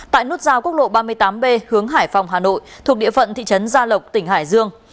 tại nút giao quốc lộ ba mươi tám b hướng hải phòng hà nội thuộc địa phận thị trấn gia lộc tỉnh hải dương